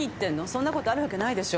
そんなことあるわけないでしょ。